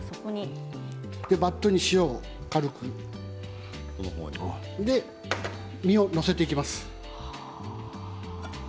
バットに塩を軽くそこに身を載せていきます。